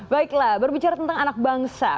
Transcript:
baiklah berbicara tentang anak bangsa